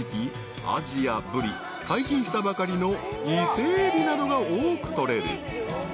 解禁したばかりの伊勢エビなどが多く取れる］